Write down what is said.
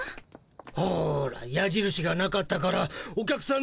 ほらやじるしがなかったからお客さん